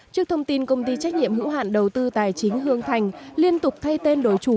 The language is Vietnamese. trước thông tin công ty trách nhiệm hữu hạn đầu tư tài chính hương thành liên tục thay tên đổi chủ